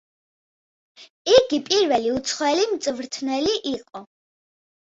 იგი პირველი უცხოელი მწვრთნელი იყო.